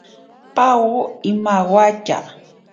Pawo imawatya.